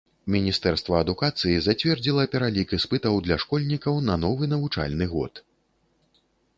Міністэрства адукацыі зацвердзіла пералік іспытаў для школьнікаў на новы навучальны год.